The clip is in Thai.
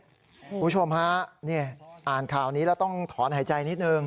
คุณผู้ชมฮะนี่อ่านข่าวนี้แล้วต้องถอนหายใจนิดนึง